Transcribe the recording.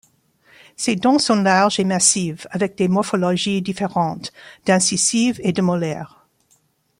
Ses dents sont larges et massives avec des morphologies différentes, d'incisives et de molaires.